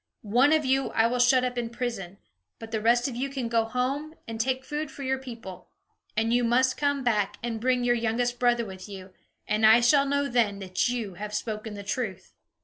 One of you I will shut up in prison; but the rest of you can go home and take food for your people. And you must come back and bring your youngest brother with you, and I shall know then that you have spoken the truth."